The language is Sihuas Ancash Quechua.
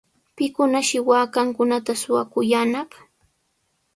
¿Pikunashi waakankunata shuwakuyaanaq?